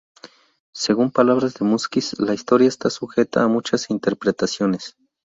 Según palabras de Múzquiz: "La historia está sujeta a muchas interpretaciones.